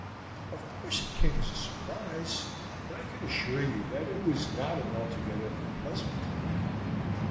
Of course it came as a surprise, but I can assure you that it was not an altogether unpleasant one.